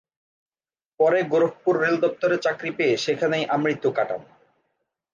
পরে গোরখপুর রেল দপ্তরে চাকরি পেয়ে সেখানেই আমৃত্যু কাটান।